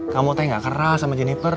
kamu tuh gak keras sama jennifer